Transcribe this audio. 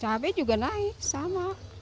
cabai juga naik sama